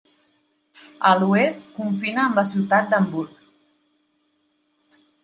A l'oest confina amb la ciutat d'Hamburg.